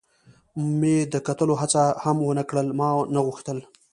مې د کتلو هڅه هم و نه کړل، ما نه غوښتل.